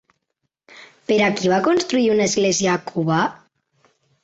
Per a qui va construir una església a Cuba?